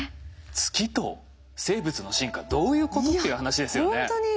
月と生物の進化どういうことっていう話ですよね。